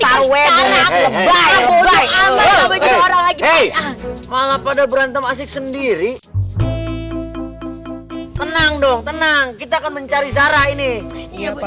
hai malah pada berantem asyik sendiri tenang dong tenang kita akan mencari zara ini ya pak